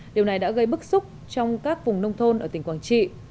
điều này đã gây bức xúc trong các vùng nông thôn ở tỉnh quảng trị